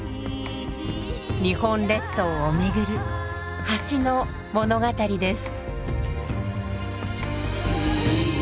日本列島を巡る「橋」の物語です。